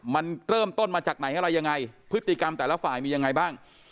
มันเริ่มต้นมาจากไหนอะไรยังไงพฤติกรรมแต่ละฝ่ายมียังไงบ้าง